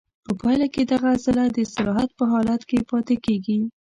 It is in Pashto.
په پایله کې دغه عضله د استراحت په حالت کې پاتې کېږي.